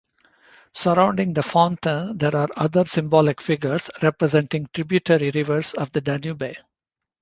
Surrounding the fountain there are other symbolic figures representing tributary rivers of the Danube.